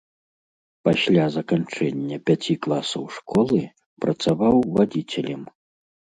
Пасля заканчэння пяці класаў школы працаваў вадзіцелем.